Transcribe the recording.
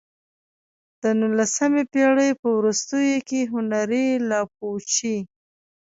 د نولسمې پېړۍ په وروستیو کې هنري لابوچي.